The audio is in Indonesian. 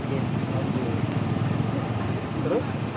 sekarang kan berantakan